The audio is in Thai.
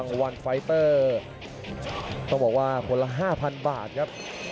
รางวัลไฟเตอร์ต้องบอกว่าคนละห้าพันบาทครับ